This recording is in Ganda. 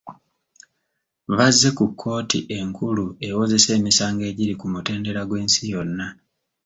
Bazze ku kkooti enkulu ewozesa emisango egiri ku mutendera gw’ensi yonna.